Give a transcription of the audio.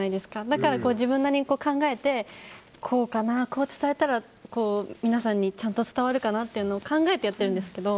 だから、自分なりに考えてこうかな、こう伝えたら皆さんにちゃんと伝わるかなって考えてやってるんですけど。